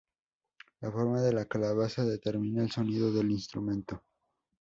La forma de la calabaza determina el sonido del instrumento.